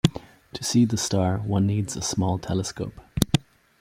To see the star one needs a small telescope.